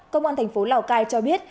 công an thành phố lào cai cho biết